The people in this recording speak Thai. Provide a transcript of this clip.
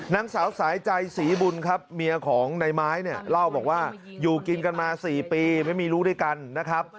นางสาวสายใจศรีบุญครับเมียของในไม้เนี่ยเล่าบอกว่าอยู่กินกันมา๔ปีไม่มีลูกด้วยกันนะครับ